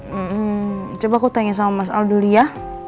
hmm coba aku tanya sama mas al dulu ya